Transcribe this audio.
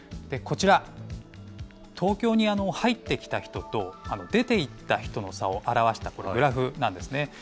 こちら、東京に入ってきた人と、出ていった人の差を表したグラフなんですね。